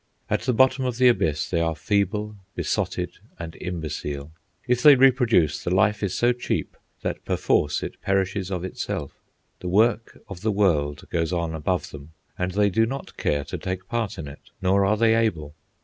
At the bottom of the Abyss they are feeble, besotted, and imbecile. If they reproduce, the life is so cheap that perforce it perishes of itself. The work of the world goes on above them, and they do not care to take part in it, nor are they able.